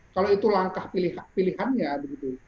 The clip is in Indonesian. kalau itu langkah pilihannya begitu